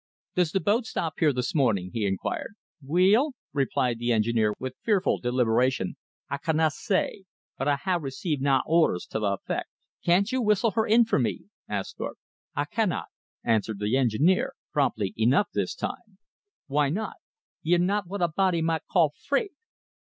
"Does the boat stop here this morning?" he inquired. "Weel," replied the engineer with fearful deliberation, "I canna say. But I hae received na orders to that effect." "Can't you whistle her in for me?" asked Thorpe. "I canna," answered the engineer, promptly enough this time. "Why not?" "Ye're na what a body might call freight."